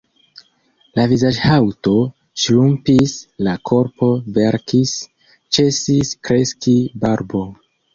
La vizaĝhaŭto ŝrumpis, la korpo velkis, ĉesis kreski barbo.